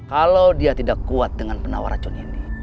kalau dia tidak kuat dengan penawar racun ini